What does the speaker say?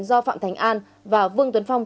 do phạm thành an và vương tuấn phong